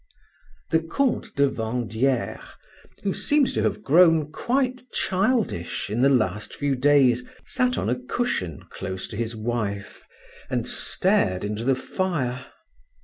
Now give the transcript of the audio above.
The Comte de Vandieres, who seemed to have grown quite childish in the last few days, sat on a cushion close to his wife, and stared into the fire.